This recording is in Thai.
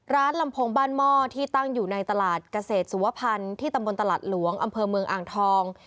ลำโพงบ้านหม้อที่ตั้งอยู่ในตลาดเกษตรสุวพันธ์ที่ตำบลตลาดหลวงอำเภอเมืองอ่างทอง